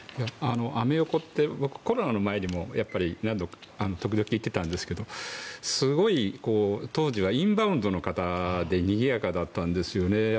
アメ横ってコロナの前にも時々行ってたんですけど当時はインバウンドの方でにぎやかだったんですよね。